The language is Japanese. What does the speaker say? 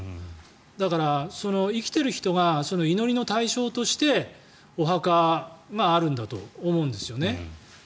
だから、生きてる人が祈りの対象としてお墓があるんだと思うんですよね。